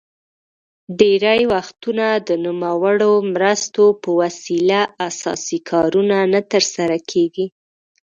ډیری وختونه د نوموړو مرستو په وسیله اساسي کارونه نه تر سره کیږي.